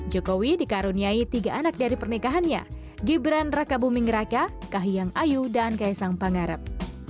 jokowi dikaruniai tiga anak dari pernikahannya gibran raka buming raka kahiyang ayu dan kaisang pangarep